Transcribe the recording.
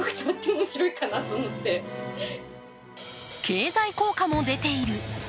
経済効果も出ている。